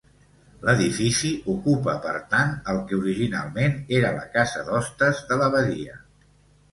L'edifici ocupa, per tant, el que originalment era la casa d'hostes de l'abadia.